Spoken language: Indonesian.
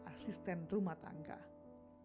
para asisten rumah tangga itu pun terlalu banyak